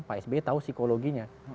pak sbi tahu psikologinya